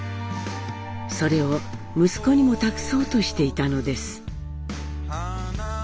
それを息子にも託そうとしていたのです。